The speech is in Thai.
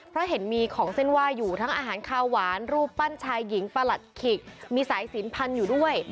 เพราะเห็นมีของเส้นไหว้อยู่ทั้งอาหารข้าวหวานรูปปั้นชายหญิงประหลัดขิกมีสายสินพันอยู่ด้วย